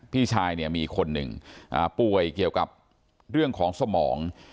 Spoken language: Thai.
พี่ชายเนี่ยมีคนหนึ่งป่วยเกี่ยวกับเรื่องของสมอง